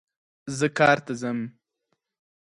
زه کار ته ځم